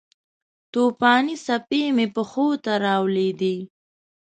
توپانې څپې مې پښو ته راولویدې